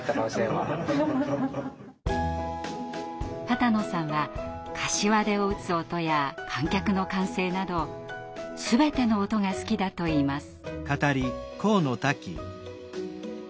波多野さんはかしわ手を打つ音や観客の歓声など全ての音が好きだといいます。